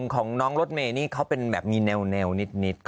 ของน้องรถเมย์และก็มีแนวนิดนิด